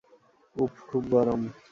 উপর খুব গরম।